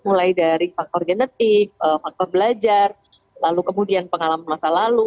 mulai dari faktor genetik faktor belajar lalu kemudian pengalaman masa lalu